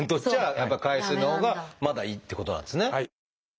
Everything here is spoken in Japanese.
やっぱり海水のほうがまだいいっていうことなんですね。